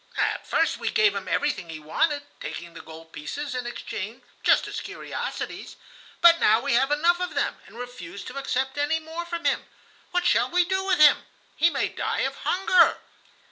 At first we gave him everything he wanted, taking the gold pieces in exchange just as curiosities; but now we have enough of them and refuse to accept any more from him. What shall we do with him? he may die of hunger!"